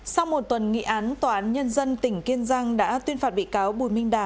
sau một tuần nghị án tòa án nhân dân tỉnh kiên giang đã tuyên phạt bị cáo bùi minh đà